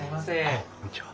あっこんにちは。